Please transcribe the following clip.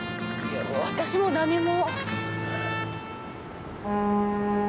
私も何も。